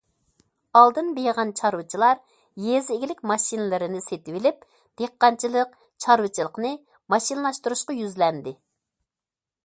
ئالدىن بېيىغان چارۋىچىلار يېزا ئىگىلىك ماشىنىلىرىنى سېتىۋېلىپ، دېھقانچىلىق، چارۋىچىلىقنى ماشىنىلاشتۇرۇشقا يۈزلەندى.